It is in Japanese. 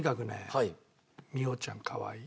はい。